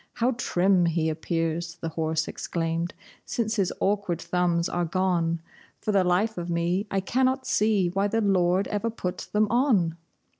"How trim he appears," the horse exclaimed, "since his awkward thumbs are gone! For the life of me I cannot see why the Lord ever put them on!"